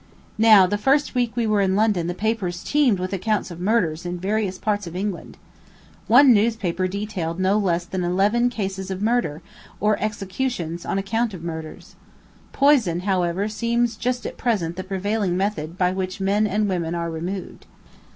Now, the first week we were in London the papers teemed with accounts of murders in various parts of England. One newspaper detailed no less than eleven oases of murder, or executions on account of murders. Poison, however, seems just at present the prevailing method by which men and women are removed.